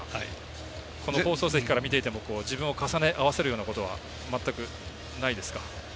放送席から見ていても自分を重ね合わせるようなことは全くないですか？